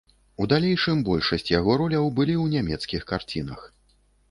У далейшым большасць яго роляў былі ў нямецкіх карцінах.